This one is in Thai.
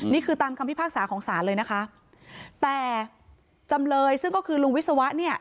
นี่คือตามคำพิพากษาของศาลเลยนะคะแต่จำเลยซึ่งก็คือลุงวิศวะเนี่ย